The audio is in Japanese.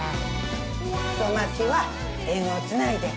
太巻きは縁をつないで。